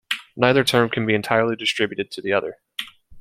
Neither term can be entirely distributed to the other.